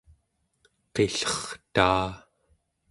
qillertaa